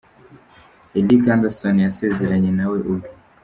Erika Anderson yasezeranye na we ubwe.